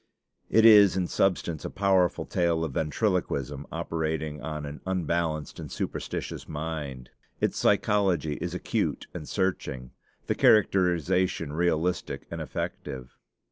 It is in substance a powerful tale of ventriloquism operating on an unbalanced and superstitious mind. Its psychology is acute and searching; the characterization realistic and effective.